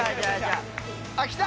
あっきた！